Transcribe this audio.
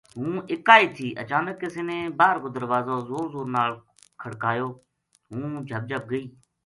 ہوں اِکا ہی تھی اچانک کسے نے باہر کو دروازو زور زور نال کھڑکایو ہوں جھَب جھَب گئی